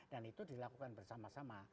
dan itu dilakukan bersama sama